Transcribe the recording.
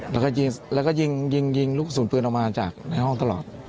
แล้วก็ยิงแล้วก็ยิงยิงลูกศูนย์ปืนออกมาจากในห้องตลอด